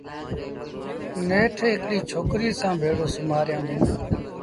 نيٺ هڪڙيٚ ڇوڪريٚ سآݩ ڀيڙو سُومآريآݩدون۔